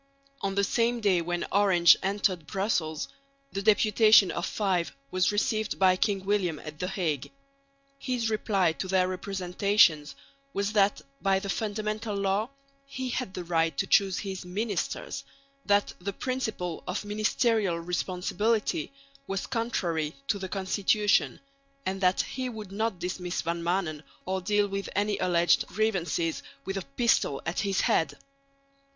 On the same day when Orange entered Brussels the deputation of five was received by King William at the Hague. His reply to their representations was that by the Fundamental Law he had the right to choose his ministers, that the principle of ministerial responsibility was contrary to the Constitution, and that he would not dismiss Van Maanen or deal with any alleged grievances with a pistol at his head.